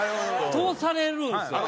通されるんですよ。